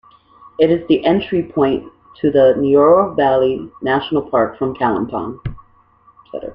It is the entry point to the Neora Valley National Park from Kalimpong.